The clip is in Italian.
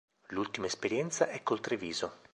L'ultima esperienza è col Treviso.